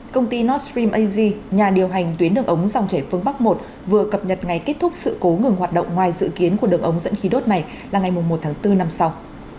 công ty northirem asia nhà điều hành tuyến đường ống dòng chảy phương bắc một vừa cập nhật ngày kết thúc sự cố ngừng hoạt động ngoài dự kiến của đường ống dẫn khí đốt này là ngày một tháng bốn năm sau